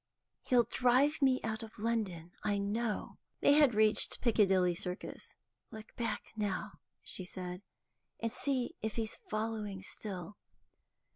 He'll drive me out of London, I know." They had reached Piccadilly Circus. "Look back now," she said, "and see if he's following still."